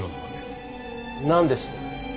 なんで知ってる？